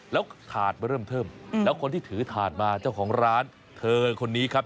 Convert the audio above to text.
แล้วถาดมาเริ่มเทิมแล้วคนที่ถือถาดมาเจ้าของร้านเธอคนนี้ครับ